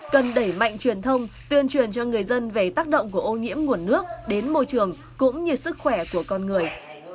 cần đẩy mạnh truyền thông tuyên truyền cho người dân về tác động của ô nhiễm nguồn nước đến môi trường cũng như sức khỏe của con người